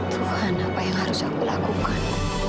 perubahan apa yang harus aku lakukan